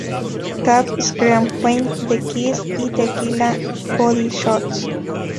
Cab", "Scream Queen", "The Kiss" y "Tequila Body Shots".